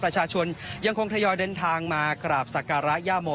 ประชาชนยังคงทยอยเดินทางมากราบสักการะย่าโม